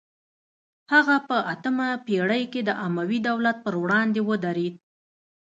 هغه په اتمه پیړۍ کې د اموي دولت پر وړاندې ودرید